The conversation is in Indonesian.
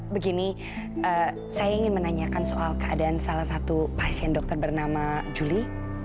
begini saya ingin menanyakan soal keadaan salah satu pasien dokter bernama julie